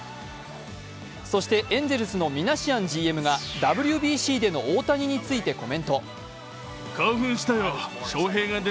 そしてエンゼルスのミナシアンＧＭがＷＢＣでの大谷についてコメント。